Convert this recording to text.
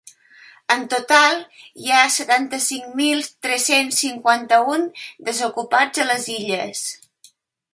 En total hi ha setanta-cinc mil tres-cents cinquanta-un desocupats a les Illes.